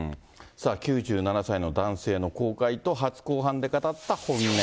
９７歳の男性の後悔と初公判で語った本音。